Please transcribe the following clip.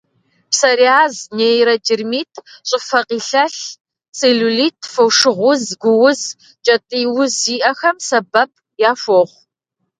Псориаз, нейродермит, щӏыфэ къилъэлъ, целлюлит, фошыгъу уз, гу уз, кӏэтӏий уз зиӏэхэм сэбэп яхуохъу.